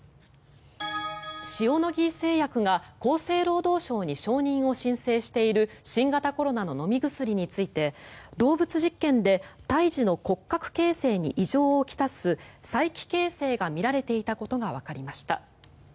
塩野義製薬が厚生労働省に承認を申請している新型コロナの飲み薬について動物実験で胎児の骨格形成に異常を来す催奇形性が見られていたことがわかりました。